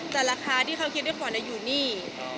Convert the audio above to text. แต่ราคาที่เขาคิดด้วยขวัญอยู่นี่